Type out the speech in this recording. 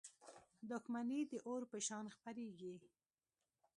• دښمني د اور په شان خپرېږي.